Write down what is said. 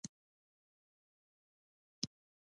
دا ستاینه بند ژوروي.